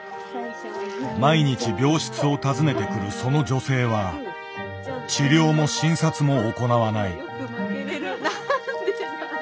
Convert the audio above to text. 毎日病室を訪ねてくるその女性は治療も診察も行わない。